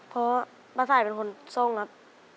เพราะป้าสายเป็นคนทรงครับ